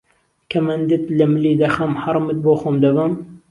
کهمهندت له ملی دهخهم حهڕەمت بۆ خۆم دهبەم